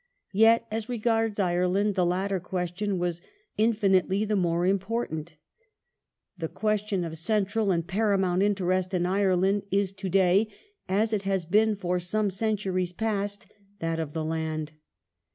Yet, as regards Ireland, the latter question was infinitely the more important " The question of central and paramount interest in Ireland is to day, as it has been for some centuries past, that of the land."